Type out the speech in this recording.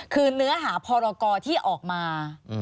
คือเนื้อหาพรกรที่ออกมา